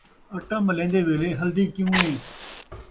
اٹا ملین٘دے ویلھے ہلدی کیوں ایں